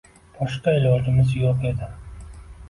Boshqa ilojimiz yo`q edi